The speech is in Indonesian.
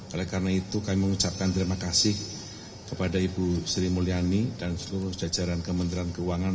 oleh karena itu kami mengucapkan terima kasih kepada ibu sri mulyani dan seluruh jajaran kementerian keuangan